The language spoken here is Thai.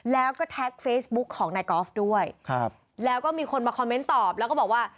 แล้วก็แท็กเฟซบุ๊กของนายกอล์ฟด้วยครับแล้วก็มีคนมาคอมเมนต์ตอบแล้วก็บอกว่า